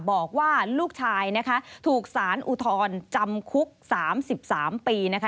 บอกว่าลูกชายนะคะถูกสารอุทธรณ์จำคุก๓๓ปีนะคะ